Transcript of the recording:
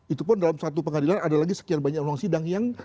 itu pun dalam satu pengadilan ada lagi sekian banyak ruang sidang yang